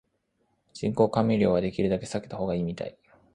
人工甘味料はできるだけ避けた方がいいみたい